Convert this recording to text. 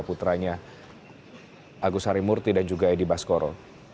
putranya agus harimurti dan juga edi baskoro